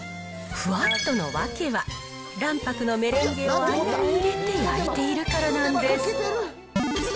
ふわっとの訳は、卵白のメレンゲを間に入れて焼いているからなんです。